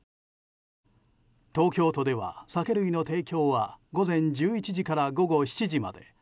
東京都では酒類の提供は午前１１時から午後７時まで。